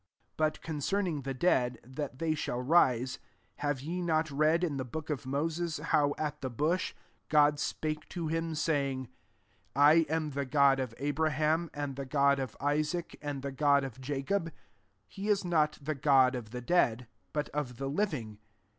26 " But concerning the dead, that they shall rise, have ye not read in the book of Moses, how, at the bush, God spake to him, saying, < I am the God of Abraham, and the God of Isaac, and the God of Jacob ?* 27 He is not the God of the dead, but of the living.